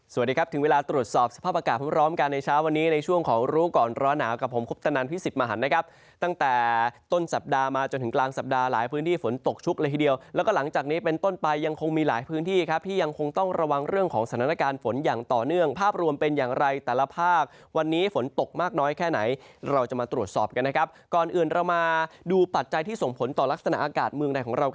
สวัสดีครับถึงเวลาตรวจสอบสภาพอากาศพร้อมกันในเช้าวันนี้ในช่วงของรู้ก่อนร้อนหนาวกับผมคบตนันพิสิทธิ์มหันตั้งแต่ต้นสัปดาห์มาจนถึงกลางสัปดาห์หลายพื้นที่ฝนตกชุกเลยทีเดียวแล้วก็หลังจากนี้เป็นต้นไปยังคงมีหลายพื้นที่ครับที่ยังคงต้องระวังเรื่องของสถานการณ์ฝนอย่างต่อเน